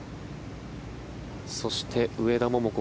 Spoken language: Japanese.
そして上田桃子